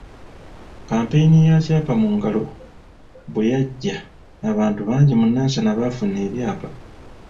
Kkampeyini ya ‘Kyapa mu Ngalo’ bwe yajja, abantu bangi mu Nansana baafuna ebyapa.